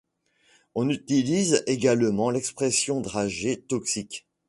On utilise également l'expression dragée toxique.